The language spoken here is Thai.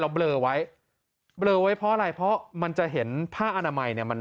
เบลอไว้เบลอไว้เพราะอะไรเพราะมันจะเห็นผ้าอนามัยเนี่ยมัน